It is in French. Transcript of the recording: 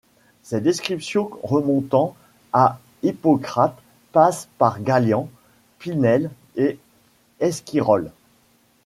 Ces descriptions remontant à Hippocrate passent par Galien, Pinel et Esquirol.